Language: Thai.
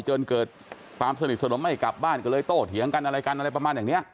จนเกิดความสนิทสนมไม่กลับบ้านก็เลยโต้เถียงกันอะไรกันอะไรประมาณอย่างนี้